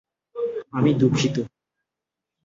আমি দুঃখিত!